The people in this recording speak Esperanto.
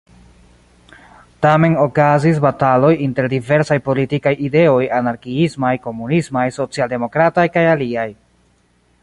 Tamen okazis bataloj inter diversaj politikaj ideoj, anarkiismaj, komunismaj, socialdemokrataj kaj aliaj.